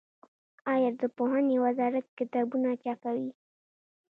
آیا د پوهنې وزارت کتابونه چاپوي؟